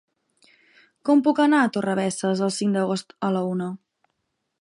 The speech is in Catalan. Com puc anar a Torrebesses el cinc d'agost a la una?